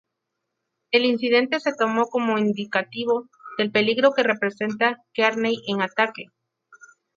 El incidente se tomó como indicativo del peligro que representa Kearney en ataque.